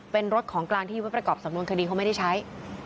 เป็นรถของกลางที่ยึดไว้ประกอบสำนวนคดีเขาไม่ได้ใช้